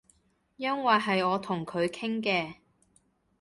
因爲係我同佢傾嘅